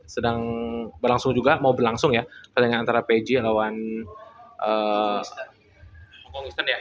sedang berlangsung juga mau berlangsung ya pertandingan antara pg lawan hong kong eastern ya